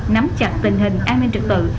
nắm chặt tình hình an ninh trực tự